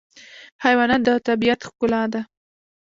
حیوانات د طبیعت ښکلا ده.